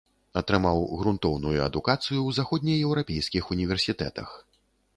Атрымаў грунтоўную адукацыю ў заходнееўрапейскіх універсітэтах.